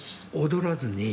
・踊らずに？